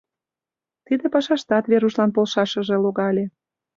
Тиде пашаштат Верушлан полшашыже логале.